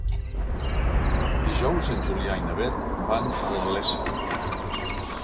Dijous en Julià i na Beth van a la Iessa.